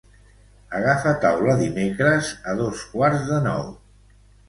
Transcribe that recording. Agafa taula dimecres a dos quarts de nou.